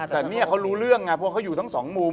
แต่เนี่ยเขารู้เรื่องไงเพราะเขาอยู่ทั้งสองมุม